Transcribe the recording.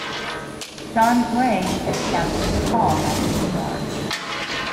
John Bray edged out David Hall by two yards.